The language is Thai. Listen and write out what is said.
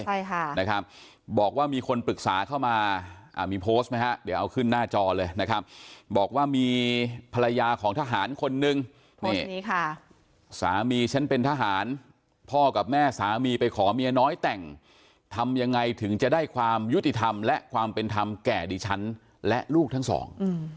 ใช่ค่ะนะครับบอกว่ามีคนปรึกษาเข้ามาอ่ามีโพสต์ไหมฮะเดี๋ยวเอาขึ้นหน้าจอเลยนะครับบอกว่ามีภรรยาของทหารคนนึงนี่ค่ะสามีฉันเป็นทหารพ่อกับแม่สามีไปขอเมียน้อยแต่งทำยังไงถึงจะได้ความยุติธรรมและความเป็นธรรมแก่ดิฉันและลูกทั้งสอง